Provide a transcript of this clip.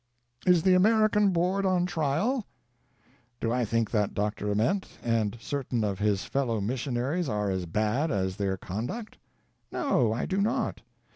IS THE AMERICAN BOARD ON" TRIAL ? Do I think that Dr. Ament and certain of his fellow mission aries are as bad as their conduct? No, I do not.